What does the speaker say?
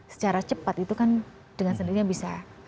secara cepat itu kan dengan sendirinya bisa